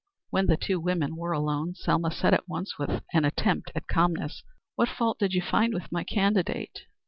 When the two women were alone, Selma said at once, with an attempt at calmness: "What fault do you find with my candidate?"